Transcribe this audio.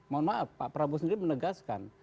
mohon maaf pak prabowo sendiri menegaskan